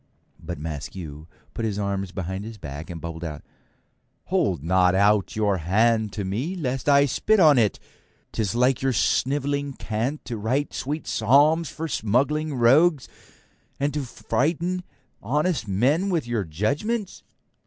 But Maskew puts his arms behind his back and bubbles out, 'Hold not out your hand to me lest I spit on it. 'Tis like your snivelling cant to write sweet psalms for smuggling rogues and try to frighten honest men with your judgements.'